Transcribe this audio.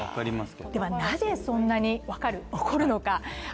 では、なぜそんなに怒るのか。